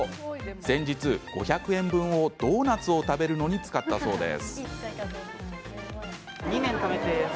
先日５００円分をドーナツを食べるのに使ったそうです。